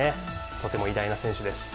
とても偉大な選手です。